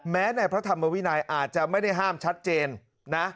ในพระธรรมวินัยอาจจะไม่ได้ห้ามชัดเจนนะ